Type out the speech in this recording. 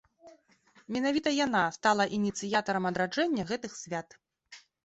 Менавіта яна стала ініцыятарам адраджэння гэтых свят.